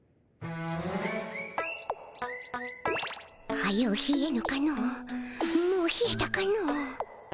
はようひえぬかのもうひえたかの。